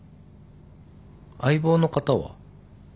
相棒の方は？